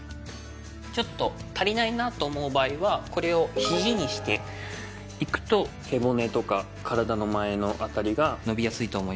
ちょっと足りないなと思う場合はこれを肘にしていくと背骨とか体の前の辺りが伸びやすいと思います。